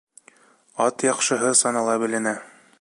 Ат яҡшыһы санала беленә